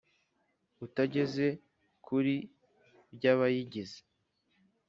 utageze kuri by abayigize